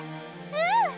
うん！